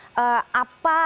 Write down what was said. oke pak iwan terakhir